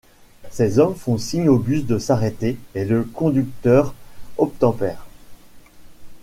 Ces hommes font signe au bus de s'arrêter et le conducteur obtempère.